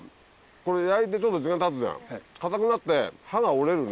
これ焼いてちょっと時間たつじゃん。